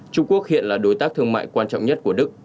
trung quốc hiện là đối tác thương mại quan trọng nhất